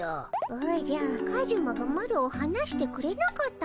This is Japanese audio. おじゃカジュマがマロをはなしてくれなかったのじゃ。